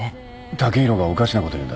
剛洋がおかしなこと言うんだ。